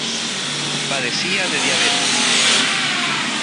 Padecía de diabetes.